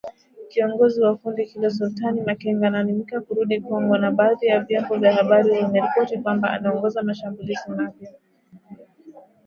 Kiongozi wa kundi hilo Sultani Makenga anaaminika kurudi Kongo na badhi ya vyombo vya habari vimeripoti kwamba anaongoza mashambulizi mapya